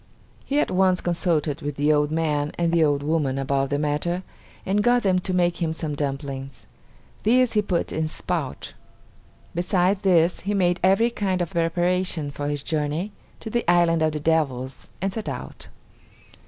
He at once consulted with the old man and the old woman about the matter, and got them to make him some dumplings. These he put in his pouch. Besides this he made every kind of preparation for his journey to the island of the devils and set out.